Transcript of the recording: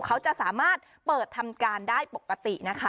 เขาจะสามารถเปิดทำการได้ปกตินะคะ